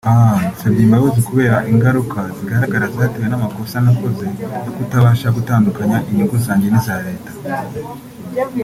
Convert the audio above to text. « Nsabye imbabazi kubera ingaruka zigaragara zatewe n'amakosa nakoze yo kutabasha gutandukanya inyungu zanjye n'iza leta